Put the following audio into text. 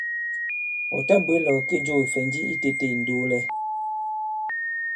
Ɔ̀ tabwě là ɔ̀ kê jo kìfɛ̀nji i tētē ì ndoolɛ.